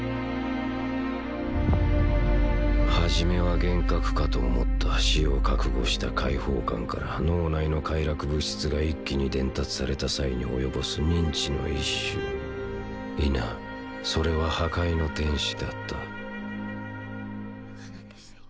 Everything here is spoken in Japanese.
初めは幻覚かと思った死を覚悟した解放感から脳内の快楽物質が一気に伝達された際に及ぼす認知の一種否それは破壊の天使だった